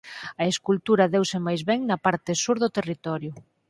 A escultura deuse máis ben na parte sur do territorio.